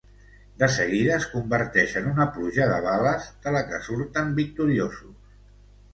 De seguida es converteix en una pluja de bales de la que surten victoriosos.